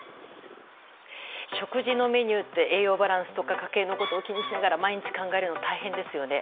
食事のメニューって栄養バランスとか家計のことを気にしながら毎日考えるの大変ですよね。